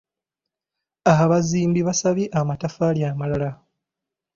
Abazimbi baasabye amataffaali amalala.